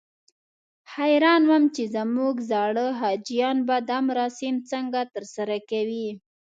حیران وم چې زموږ زاړه حاجیان به دا مراسم څنګه ترسره کوي.